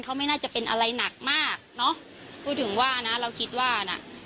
เขาไม่น่าจะเป็นอะไรหนักมากจึงว่านะเราคิดว่า